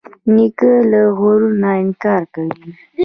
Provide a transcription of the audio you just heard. نیکه له غرور نه انکار کوي.